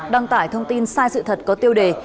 đăng tải thông tin sai sự thật có tiêu đề